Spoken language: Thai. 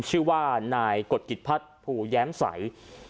ชื่อว่านายกตกิจพรรคภูแย้มสาย